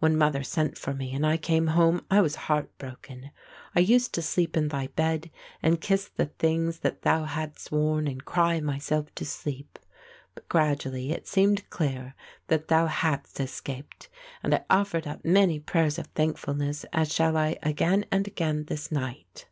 When Mother sent for me and I came home I was heartbroken. I used to sleep in thy bed and kiss the things that thou hadst worn and cry myself to sleep. But gradually it seemed clear that thou hadst escaped and I offered up many prayers of thankfulness as shall I again and again this night.